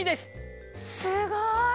すごい！